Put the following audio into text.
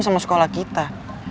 sama sekolah kita